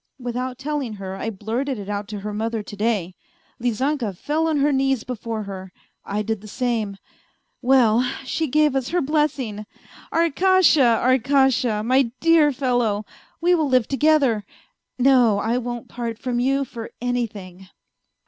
Without telling her I blurted it out to her mother to day. Lizanka fell on her knees before her, I did the same ... well, she gave us her blessing. Arkasha, Arkasha ! My dear fellow ! We will live together. No, I won't part from you for anything."